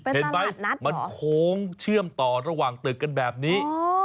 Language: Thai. เป็นตลาดนัดเหรอเห็นไหมมันโค้งเชื่อมต่อระหว่างตึกกันแบบนี้